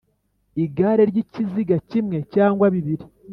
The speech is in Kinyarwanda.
igare ry'ikiziga kimwe cyangwa bibiri